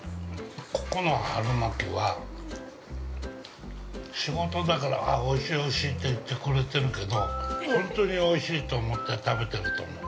ここの春巻きは仕事だから、おいしいおいしいって言ってくれてるけど本当においしいと思って食べてると思う。